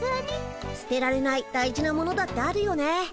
捨てられない大事なものだってあるよね。